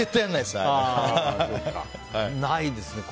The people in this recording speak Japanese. ないですね。